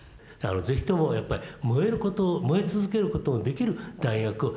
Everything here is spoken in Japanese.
是非ともやっぱり燃えること燃え続けることのできる大学を選ぶ。